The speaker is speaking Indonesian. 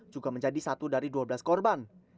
juga menjadi satu dari dua belas korban